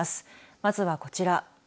まずはこちら。